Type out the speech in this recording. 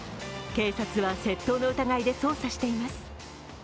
警察は窃盗の疑いで捜査しています。